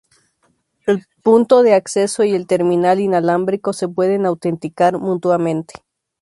El punto de acceso y el terminal inalámbrico se pueden autenticar mutuamente.